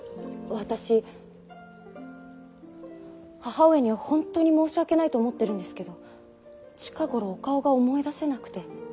私母上には本当に申し訳ないと思ってるんですけど近頃お顔が思い出せなくて。